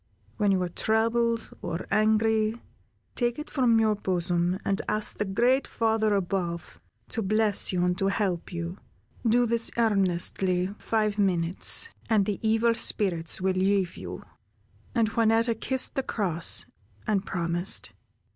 When you are troubled or angry, take it from your bosom, and ask the great Father above to bless you and help you. Do this earnestly five minutes, and the evil spirits will leave you." And Juanetta kissed the cross and promised.